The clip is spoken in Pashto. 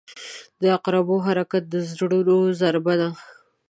• د عقربو حرکت د زړونو ضربه ده.